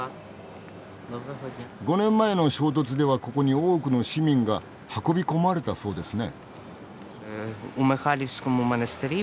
５年前の衝突ではここに多くの市民が運び込まれたそうですね？